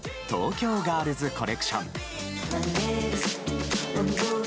東京ガールズコレクション。